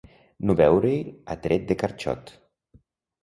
No veure-hi a tret de carxot.